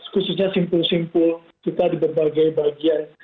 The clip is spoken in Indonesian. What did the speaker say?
khususnya simpul simpul kita di berbagai bagian